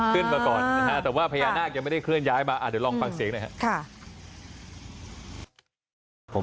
ขึ้นมาก่อนนะฮะแต่ว่าพญานาคยังไม่ได้เคลื่อนย้ายมาเดี๋ยวลองฟังเสียงหน่อยครับ